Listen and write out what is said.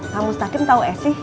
kamu saking tau esih